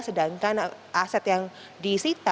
sedangkan aset yang disita